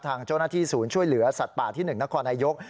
ทางเจ้าหน้าที่ศูนย์ช่วยเหลือสัตว์ป่าที่๑นครนายก